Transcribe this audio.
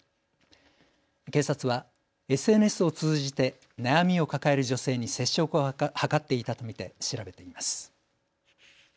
警察はＳＮＳを通じて悩みを抱える女性に接触を図っていたと見て調べています。